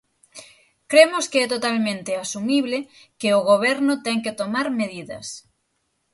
Cremos que é totalmente asumible, que o Goberno ten que tomar medidas.